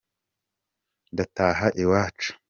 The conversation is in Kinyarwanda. ndataha iwacu.